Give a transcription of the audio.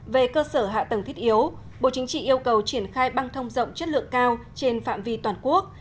về cơ sở hạ tầng thiết yếu bộ chính trị yêu cầu triển khai băng thông rộng chất lượng cao trên phạm vi toàn quốc